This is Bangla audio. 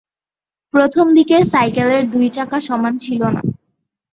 প্রথম দিকের সাইকেলের দুই চাকা সমান ছিলো না।